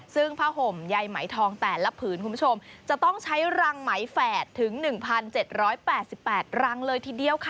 ซึ่งผ้าห่มใยไหมทองแต่ละผืนคุณผู้ชมจะต้องใช้รังไหมแฝดถึง๑๗๘๘รังเลยทีเดียวค่ะ